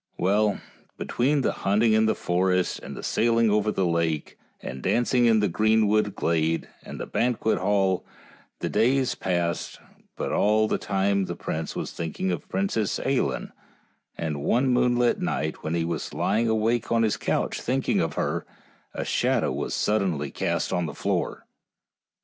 Well, between hunting in the forest, and sail ing over the lake, and dancing in the greenwood glade and in the banquet hall, the days passed, but all the time the prince was thinking of the Princess Ailinn, and one moonlit night, when he was lying awake on his couch thinking of her, a shadow was suddenly cast on the floor.